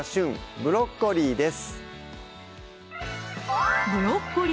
ブロッコリー」です